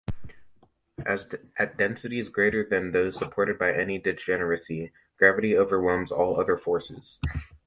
At densities greater than those supported by any degeneracy, gravity overwhelms all other forces.